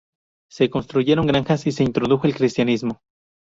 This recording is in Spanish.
Se construyeron granjas y se introdujo el cristianismo.